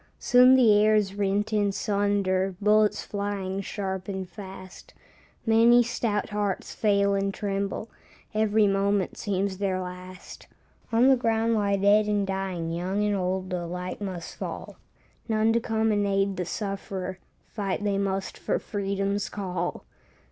Soon the air is rent in sunder, Bullets flying sharp and fast, Many stout hearts fail and tremble, Every moment seems their last. On the ground lie dead and dying, Young and old alike must fall; None to come and aid the sufferer, Fight they must for freedom's call.